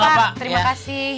iya pak terima kasih